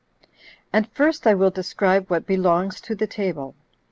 8. And first I will describe what belongs to the table.